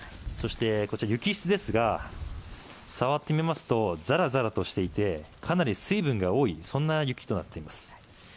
そして、雪質ですが触ってみますとザラザラとしていてかなり水分が多いそんな雪となっています。